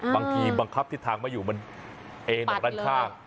บังคับทิศทางไม่อยู่มันเอ็นออกด้านข้าง